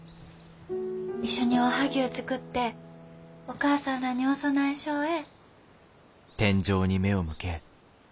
一緒におはぎゅう作ってお母さんらにお供えしょうえ？